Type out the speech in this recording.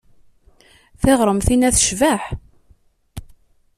Tiɣremt-inna tecbeḥ.